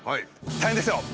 大変ですよ。